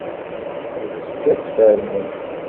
Yessefk ad tfernem.